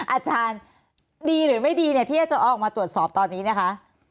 อาจารย์ดีหรือไม่ดีที่เจ้าออกมาตรวจสอบตอนนี้คะ